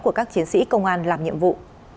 của các chiến sĩ công an làm nhiệm vụ